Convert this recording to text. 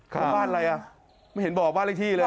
บ้านอะไรไม่เห็นบอกบ้านเร็กที่เลย